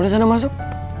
lo udah sana masuk